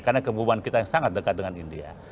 karena kemungkinan kita sangat dekat dengan india